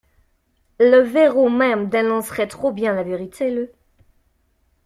Le verrou même dénoncerait trop bien la vérité.